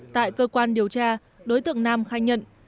tại cơ quan điều tra đối tượng nam khai nhận